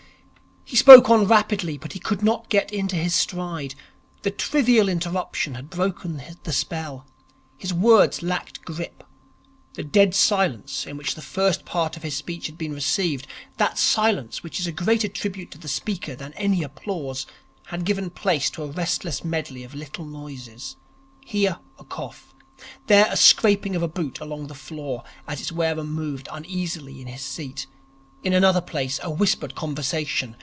He spoke on rapidly, but he could not get into his stride. The trivial interruption had broken the spell. His words lacked grip. The dead silence in which the first part of his speech had been received, that silence which is a greater tribute to the speaker than any applause, had given place to a restless medley of little noises; here a cough; there a scraping of a boot along the floor, as its wearer moved uneasily in his seat; in another place a whispered conversation.